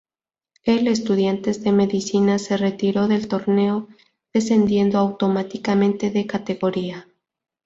El Estudiantes de Medicina se retiró del torneo, descendiendo automáticamente de categoría.